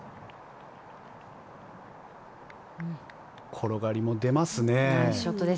転がりも出ますね。